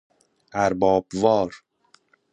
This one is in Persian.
ارباب وار